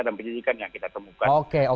dan penyidikan yang kita temukan